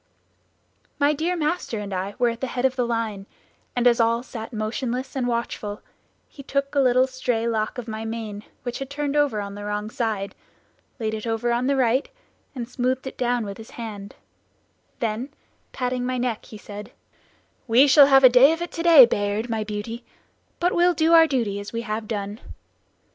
"My dear master and I were at the head of the line, and as all sat motionless and watchful, he took a little stray lock of my mane which had turned over on the wrong side, laid it over on the right, and smoothed it down with his hand; then patting my neck, he said, 'We shall have a day of it to day, Bayard, my beauty; but we'll do our duty as we have done.'